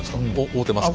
合うてます。